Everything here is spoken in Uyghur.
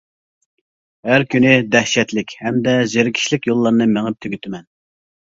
ھەر كۈنى دەھشەتلىك ھەمدە زېرىكىشلىك يوللارنى مېڭىپ تۈگىتىمەن.